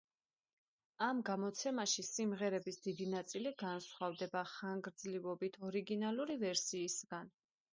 ამ გამოცემაში სიმღერების დიდი ნაწილი განსხვავდება ხანგრძლივობით ორიგინალური ვერსიისგან.